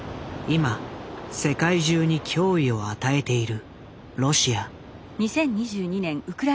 今世界中に脅威を与えているロシア。